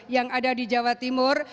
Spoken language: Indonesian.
yang ada di jawa timur